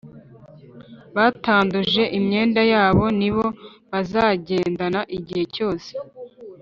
Batanduje imyenda yabo ni bo bazagendana igihe cyose.